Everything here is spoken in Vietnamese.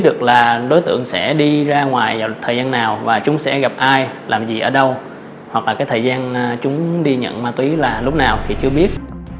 được là đối tượng sẽ đi ra ngoài vào thời gian nào và chúng sẽ gặp ai làm gì ở đâu hoặc là cái thời gian chúng đi nhận ma túy là lúc nào thì chưa biết